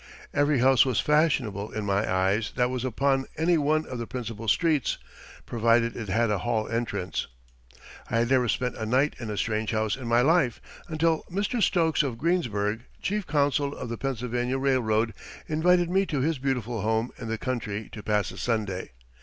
Every house was fashionable in my eyes that was upon any one of the principal streets, provided it had a hall entrance. I had never spent a night in a strange house in my life until Mr. Stokes of Greensburg, chief counsel of the Pennsylvania Railroad, invited me to his beautiful home in the country to pass a Sunday.